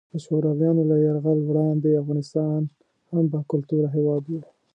د شورویانو له یرغل وړاندې افغانستان هم باکلتوره هیواد وو.